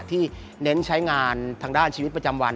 เน้นใช้งานทางด้านชีวิตประจำวัน